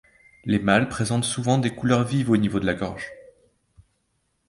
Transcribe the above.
Les mâles présentent souvent des couleurs vives au niveau de la gorge.